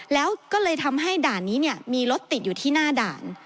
แล้วก็เลยทำให้ด่านนี้เนี่ยมีรถติดอยู่ที่หน้าด่าน